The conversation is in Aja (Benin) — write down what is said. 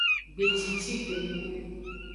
Gbecici gbegbu.